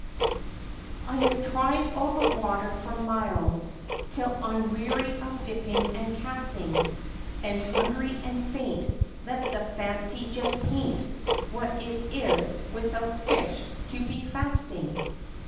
I have tried all the water for miles, Till I'm weary of dipping and casting, And hungry and faint Let the Fancy just paint What it is, without Fish, to be Fasting!